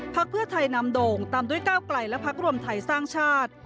เพื่อไทยนำโด่งตามด้วยก้าวไกลและพักรวมไทยสร้างชาติ